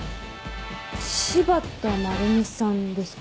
柴田まるみさんですか？